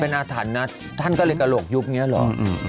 เป็นอาถรรพ์นะท่านก็เลยกระโหลกยุบอย่างนี้หรอ